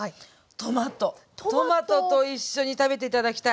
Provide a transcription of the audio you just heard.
トマトと一緒に食べて頂きたい。